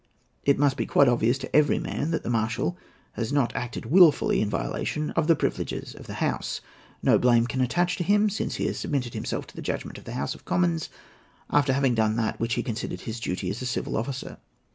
It must be quite obvious to every man that the marshal has not acted wilfully in violation of the privileges of the House. No blame can attach to him, since he has submitted himself to the judgment of the House of Commons after having done that which he considered his duty as a civil officer.